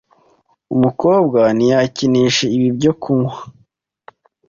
Umukobwa ntiyakinisha ibi byo kunywa